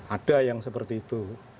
ada yang seperti itu